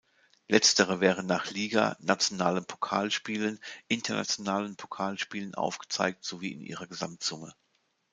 Letztere werden nach Liga, nationalen Pokalspielen und internationalen Pokalspielen aufgezeigt sowie in ihrer Gesamtsumme.